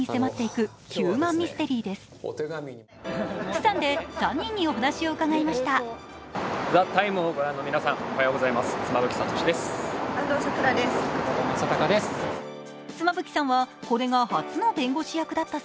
プサンで３人にお話を伺いました。